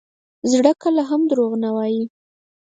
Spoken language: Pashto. زړه کله هم دروغ نه وایي.